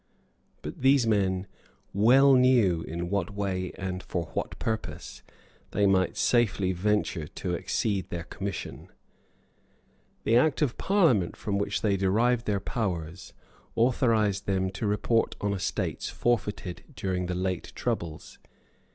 But these men well knew in what way and for what purpose they might safely venture to exceed their commission. The Act of Parliament from which they derived their powers authorised them to report on estates forfeited during the late troubles.